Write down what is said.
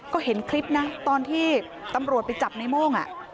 ก็เห็นคลิปนะตอนที่ตำรวจไปจับในโม่ง